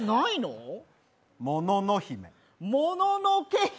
「ものの姫」。